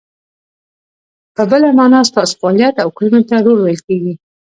په بله مانا، ستاسو فعالیت او کړنو ته رول ویل کیږي.